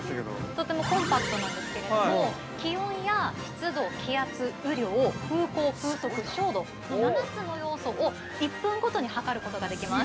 ◆とてもコンパクトなんですけれども気温や湿度、気圧、雨量、風向、風速、照度の７つの要素を１分ごとにはかることができます。